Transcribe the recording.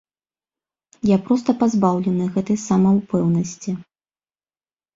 Я проста пазбаўлены гэтай самаўпэўненасці.